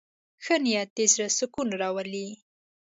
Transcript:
ښه نیت د زړه سکون راولي.